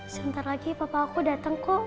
sebentar lagi papa aku datang kok